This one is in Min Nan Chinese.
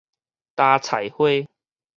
焦材花